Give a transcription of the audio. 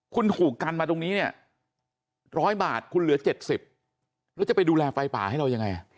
คุณถูกกันมาตรงนี้เนี่ย๑๐๐บาทคุณเหลือ๗๐แล้วจะไปดูแลไฟป่าให้เรายังไง